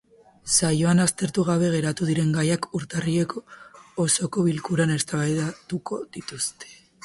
Saioan aztertu gabe geratu diren gaiak urtarrileko osoko bilkuran eztabaidatuko dituzte.